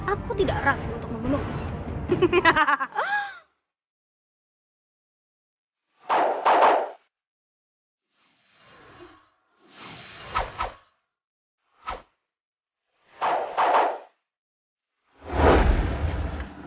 aku tidak ragu untuk memeluk